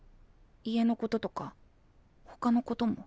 家のこととかほかのことも。